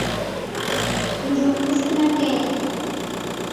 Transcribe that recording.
— Пужым кушко наҥгает?